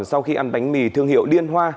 sau khi ăn bánh mì thương hiệu liên hoa